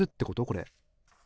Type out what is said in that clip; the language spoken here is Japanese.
これ。